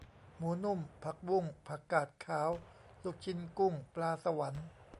หมูนุ่ม ผักบุ้ง ผักกาดขาว ลูกชิ้นกุ้ง ปลาสวรรค์